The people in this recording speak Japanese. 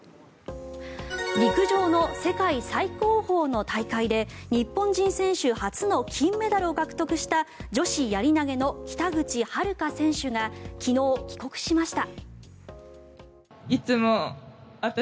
陸上の世界最高峰の大会で日本人選手初の金メダルを獲得した女子やり投の北口榛花選手が昨日、帰国しました。